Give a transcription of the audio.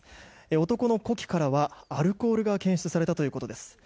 男の呼気からはアルコールが検出されたということです。